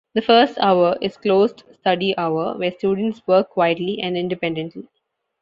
The first hour is "closed study hour" where students work quietly and independently.